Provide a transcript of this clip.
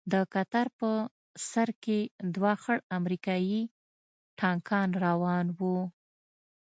د کتار په سر کښې دوه خړ امريکايي ټانکان روان وو.